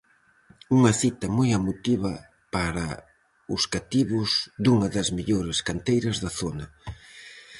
Unha cita moi emotiva para os cativos dunha das mellores canteiras da zona.